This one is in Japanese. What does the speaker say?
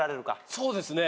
そうですね。